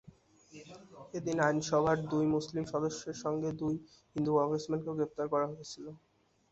এদিন আইনসভার দুই মুসলিম সদস্যের সঙ্গে দুই হিন্দু কংগ্রেসম্যানকেও গ্রেপ্তার করা হয়েছিল।